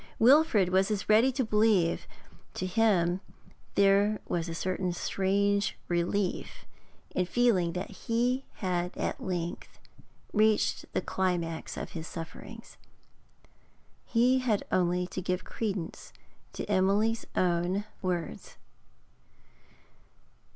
Wilfrid was as ready to believe; to him there was a certain strange relief in feeling that he had at length reached the climax of his sufferings. He had only to give credence to Emily's own words.